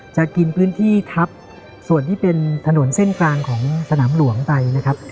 จะกินพื้นที่ทับส่วนที่เป็นถนนเส้นกลางของสนามหลวงไปนะครับ